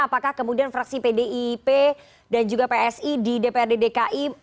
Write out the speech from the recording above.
apakah kemudian fraksi pdip dan juga psi di dprd dki